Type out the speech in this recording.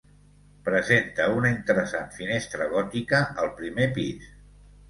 Presenta una interessant finestra gòtica al primer pis.